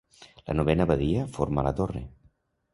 La novena badia forma la torre.